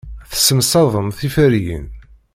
Tessemsadem tiferyin.